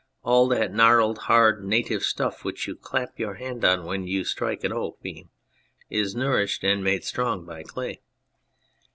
All that gnarled, hard, native stuff which you clap your hand on when you strike an oak beam is nourished and made strong by clay.